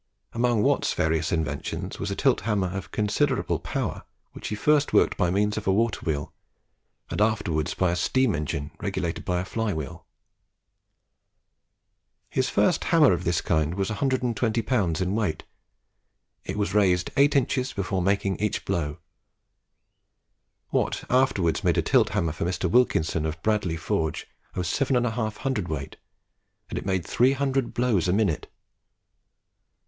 Among Watt's various inventions, was a tilt hammer of considerable power, which he at first worked by means of a water wheel, and afterwards by a steam engine regulated by a fly wheel. His first hammer of this kind was 120 lbs. in weight; it was raised eight inches before making each blow. Watt afterwards made a tilt hammer for Mr. Wilkinson of Bradley Forge, of 7 1/2 cwt., and it made 300 blows a minute.